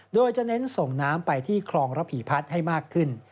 โดยจะเน้นส่งน้ำไปที่คลองระผีพัฒน์ให้มากขึ้น